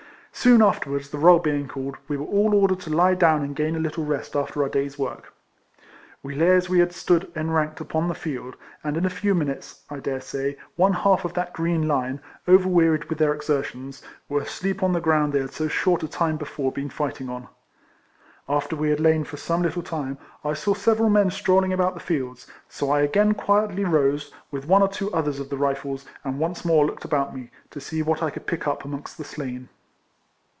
Soon afterwards, the roll being called, we were all ordered to lie down and gain a little rest after our day's work. We lay as we had stood enranked upon the field, and in a few minutes, I dare say, one half of that green line, overwearied RIFLEMAN HARRIS. 87 with their exertions, were asleep upon the ground they had so short a time before been fiojhtino^ on. After we had lain for some little time, I saw several men strolling about the fields, so I again quietly rose, with one or two others of the Rifles, and once more looked about me, to see what I could pick up amongst the slain.